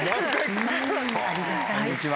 こんにちは。